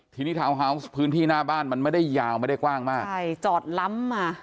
ทีนี้ทาวน์ฮาวส์พื้นที่หน้าบ้านมันไม่ได้ยาวไม่ได้กว้างมากใช่จอดล้ำมา